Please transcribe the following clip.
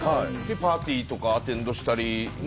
でパーティーとかアテンドしたり。